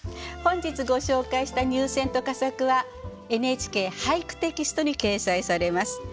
本日ご紹介した入選と佳作は「ＮＨＫ俳句」テキストに掲載されます。